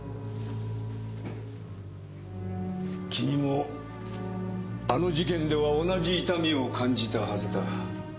君もあの事件では同じ痛みを感じたはずだ。